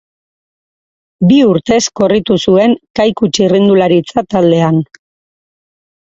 Bi urtez korritu zuen Kaiku txirrindularitza taldean.